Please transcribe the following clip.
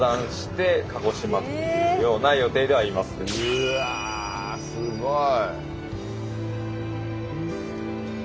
うわすごい。